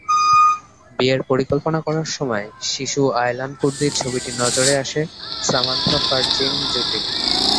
বিয়ের পরিকল্পনা করার সময় শিশু আয়লান কুর্দির ছবিটি নজরে আসে সামান্থা-ফারজিন জুটির।